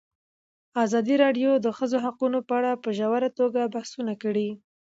ازادي راډیو د د ښځو حقونه په اړه په ژوره توګه بحثونه کړي.